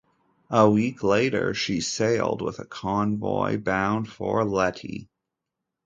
A week later she sailed with a convoy bound for Leyte.